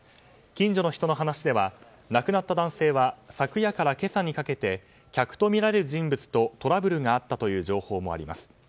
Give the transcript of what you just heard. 近所の人の話では亡くなった男性は昨夜から今朝にかけて客とみられる人物とトラブルがあったという情報もあります。